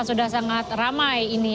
sudah sangat ramai ini